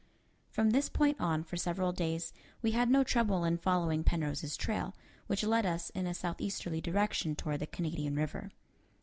From this point on, for several days, we had no trouble in following Penrose's trail, which led us in a southeasterly direction toward the Canadian River.